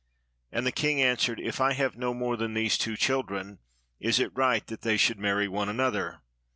And the king answered, "If I have no more than these two children, is it right that they should marry one another?